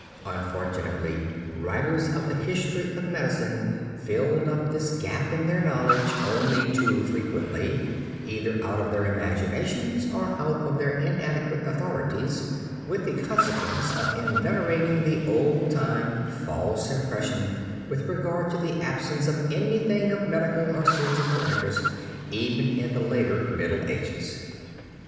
Unfortunately, writers of the history of medicine filled up this gap in their knowledge, only too frequently, either out of their imaginations, or out of their inadequate authorities, with the consequence of inveterating the old time false impression with regard to the absence of anything of medical or surgical interest, even in the later Middle Ages.